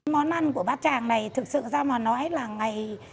món ăn của bác chàng này thực sự ra mà nói là ngày